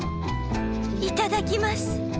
いただきます。